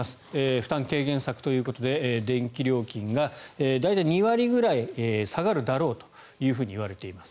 負担軽減策ということで電気料金が大体２割ぐらい下がるだろうというふうにいわれています。